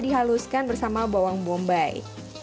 dihaluskan bersama bawang bombay